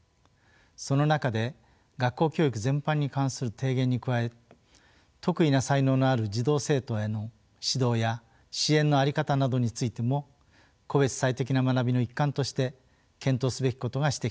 その中で学校教育全般に関する提言に加え特異な才能のある児童生徒への指導や支援の在り方などについても個別最適な学びの一環として検討すべきことが指摘されました。